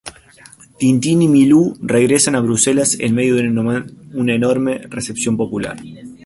Tintín y Milú regresan a Bruselas en medio de una enorme recepción popular.